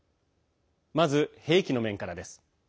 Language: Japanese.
まず兵器の面からです。